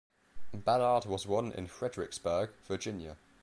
Ballard was born in Fredericksburg, Virginia.